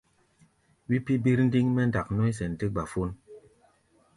Wí pí̧ birndiŋ mɛ́ ndak nɔ̧́í̧ sɛn tɛ́ gbafón.